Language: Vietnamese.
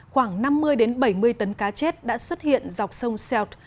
khoảng năm mươi bảy mươi tấn cá chết đã xuất hiện dọc sông sealt